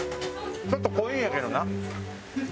ちょっと濃いんやけどな。